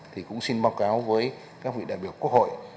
thì cũng xin báo cáo với các vị đại biểu quốc hội